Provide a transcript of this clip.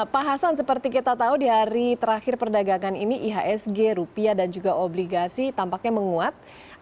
pak hasan seperti kita tahu di hari terakhir perdagangan ini ihsg rupiah dan juga obligasi tampaknya menguat